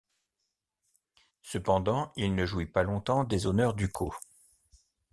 Cependant, il ne jouit pas longtemps des honneurs ducaux.